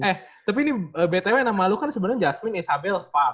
eh tapi ini btw yang nama lo kan sebenarnya jasmine isabel farr